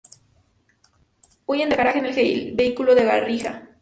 Huyen del garaje en el vehículo de Garriga.